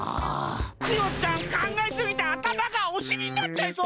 クヨちゃんかんがえすぎてあたまがおしりになっちゃいそう！